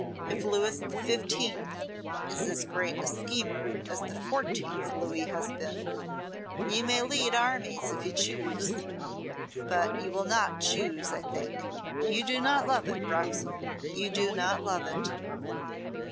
If Louis XV is as great a schemer as the fourteenth Louis has been, you may lead armies if you choose; but you will not choose, I think. You do not love it, Roxholm you do not love it."